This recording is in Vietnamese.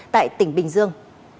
tại tỉnh bình dương